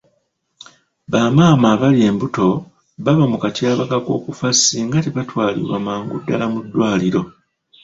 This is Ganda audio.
Bamaama abali embuto baba mu katyabaga k'okufa singa tebatwalibwa mangu ddaala mu ddwaliro.